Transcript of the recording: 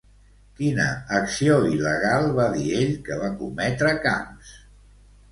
Quina acció il·legal va dir ell que va cometre Camps?